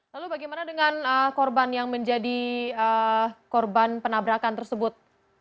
lalu bagaimana dengan korban yang menjadi korban penabrakan tersebut